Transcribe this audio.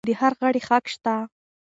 د هر غړي حق شته.